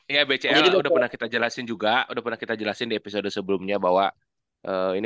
iya bcm udah pernah kita jelasin juga udah pernah kita jelasin di episode sebelumnya bahwa ini